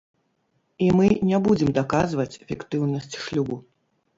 І мы не будзем даказваць фіктыўнасць шлюбу.